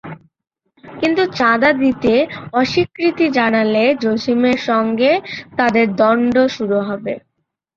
কিন্তু চাঁদা দিতে অস্বীকৃতি জানালে জসিমের সঙ্গে তাঁদের দ্বন্দ্ব শুরু হয়।